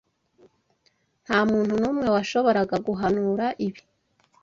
Ntamuntu numwe washoboraga guhanura ibi.